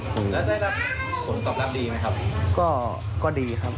แล้วได้รับผลตอบรับดีไหมครับ